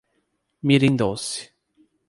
Mirim Doce